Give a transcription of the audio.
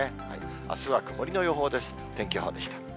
あすは曇りの予報です。